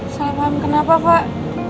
salah paham kenapa fak